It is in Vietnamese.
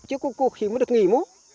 chứ cuối cùng khi mới được nghỉ mốt